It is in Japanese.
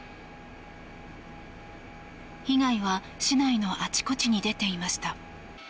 被害は市内のあちこちに出ていました。